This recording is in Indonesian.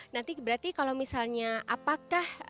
nanti berarti kalau misalnya apakah